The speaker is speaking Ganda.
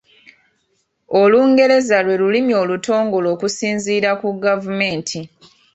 Olungereza lwe lulimi olutongole okusinzira ku gavumenti.